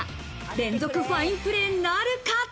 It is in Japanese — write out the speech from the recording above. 連続ファインプレーなるか？